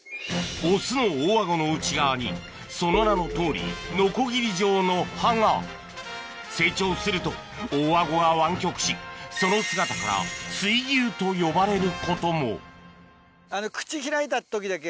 オスの大アゴの内側にその名のとおりノコギリ状の歯が成長すると大アゴは湾曲しその姿から水牛と呼ばれることもえっ